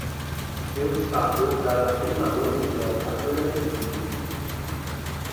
Eustachio dalla prima moglie Goda non ebbe figli.